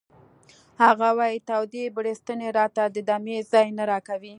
هغه وایی تودې بړستنې راته د دمې ځای نه راکوي